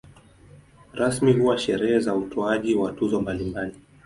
Rasmi huwa sherehe za utoaji wa tuzo mbalimbali.